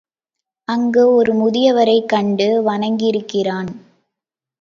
அங்கு ஒரு முனிவரைக் கண்டு வணங்கியிருக்கிறான்.